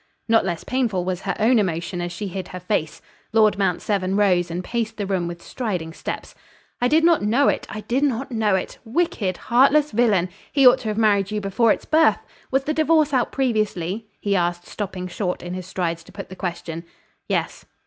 Not less painful was her own emotion as she hid her face. Lord Mount Severn rose and paced the room with striding steps. "I did not know it! I did not know it! Wicked, heartless villain! He ought to have married you before its birth. Was the divorce out previously?" he asked stopping short in his strides to put the question. "Yes."